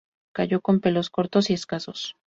Callo con pelos cortos y escasos.